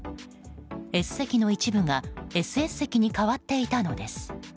Ｓ席の一部がＳＳ席に変わっていたのです。